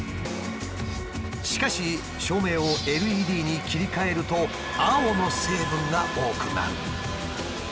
しかし照明をＬＥＤに切り替えると青の成分が多くなる。